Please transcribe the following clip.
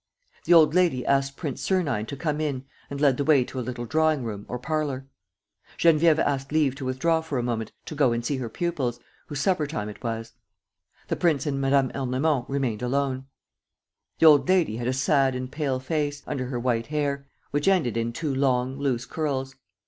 The old lady asked Prince Sernine to come in and led the way to a little drawing room or parlor. Geneviève asked leave to withdraw for a moment, to go and see her pupils, whose supper time it was. The prince and Mme. Ernemont remained alone. The old lady had a sad and a pale face, under her white hair, which ended in two long, loose curls.